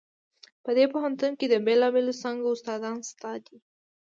په دې پوهنتون کې د بیلابیلو څانګو استادان شته دي